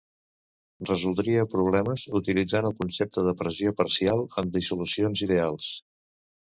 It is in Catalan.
Resoldria problemes utilitzant el concepte de pressió parcial en dissolucions ideals.